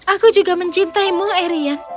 aku juga mencintaimu arion